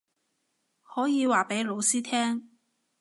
可以話畀老師聽